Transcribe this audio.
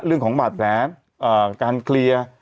เรื่องของบาดแผลการเคลียร์